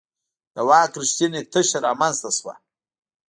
د واک رښتینې تشه رامنځته شوه.